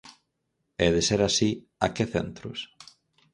E, de ser así, ¿a que centros?